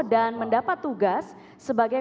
dan mendapat tugas sebagai